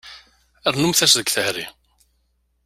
Rrnumt-as deg tehri.